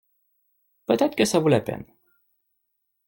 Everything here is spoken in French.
Peut-être que ça vaut la peine.